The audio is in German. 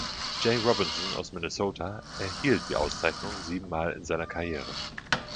J. Robinson aus Minnesota erhielt die Auszeichnung sieben Mal in seiner Karriere.